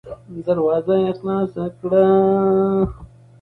دروازه يې خلاصه کړه.